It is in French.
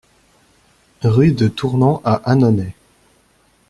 Rue de Tournon à Annonay